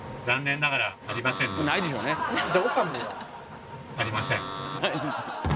残念ながらありませんね。